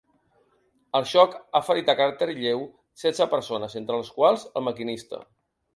El xoc ha ferit de caràcter lleu setze persones, entre les quals el maquinista.